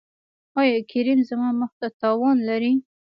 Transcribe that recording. ایا کریم زما مخ ته تاوان لري؟